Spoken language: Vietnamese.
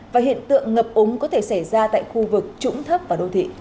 và hiện tượng ngập úng có thể xảy ra tại khu vực trũng thấp và đô thị